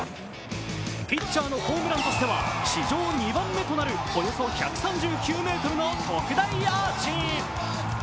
ピッチャーのホームランとしては史上２番目となるおよそ１３９ｍの特大アーチ。